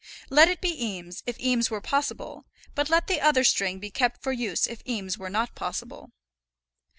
Let it be Eames, if Eames were possible; but let the other string be kept for use if Eames were not possible.